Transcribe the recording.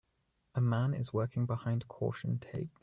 A man is working behind caution tape.